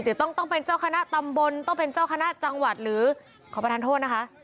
เดี๋ยวต้องเป็นเจ้าคณะตำบลต้องเป็นเจ้าคณะจังหวัดหรือขอประทานโทษนะคะ